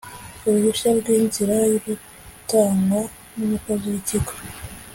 uruhushya rw inzira rutangwa n umukozi w ikigo